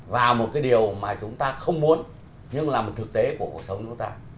và một cái điều mà chúng ta không muốn nhưng là một thực tế của chúng ta